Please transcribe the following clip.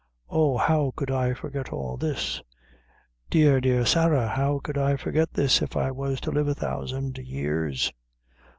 Oh, how could I forget all this? Dear, dear Sarah, how could I forget this if I was to live a thousand years?"